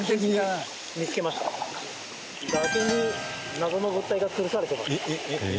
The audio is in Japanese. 崖に謎の物体が吊るされてます。